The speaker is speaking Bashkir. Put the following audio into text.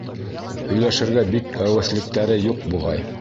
Һөйләшергә бик әүәҫлектәре юҡ буғай.